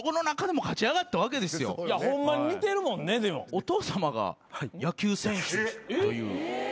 お父さまが野球選手という。